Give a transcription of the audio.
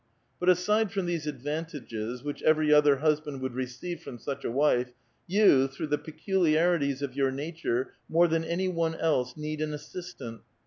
But aside from these advantages, which every other husband would receive from such a wife, you, through the peculiarities of your nature, more than any one else, need an assistant.